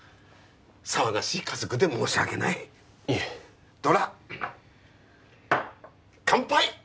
騒がしい家族で申し訳ないいえどら乾杯！